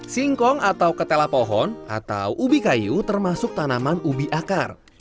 singkong atau ketela pohon atau ubi kayu termasuk tanaman ubi akar